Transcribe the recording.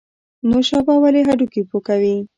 نوشابه ولې هډوکي پوکوي؟